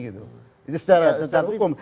itu secara hukum